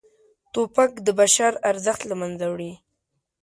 توپک د بشر ارزښت له منځه وړي.